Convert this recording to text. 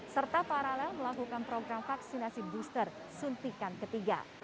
serta paralel melakukan program vaksinasi booster suntikan ketiga